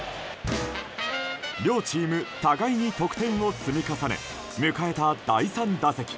両チーム互いに得点を積み重ね迎えた第３打席。